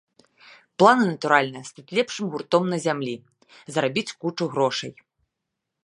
Планы, натуральна, стаць лепшым гуртом на зямлі, зарабіць кучу грошай.